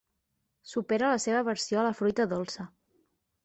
Supera la seva aversió a la fruita dolça.